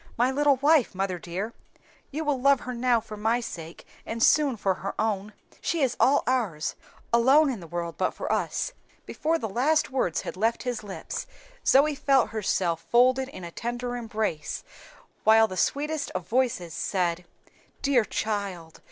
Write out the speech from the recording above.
"My little wife, mother dear you will love her now for my sake, and soon for her own. She is all ours alone in the world but for us." Before the last words had left his lips Zoe felt herself folded in a tender embrace, while the sweetest of voices said, "Dear child!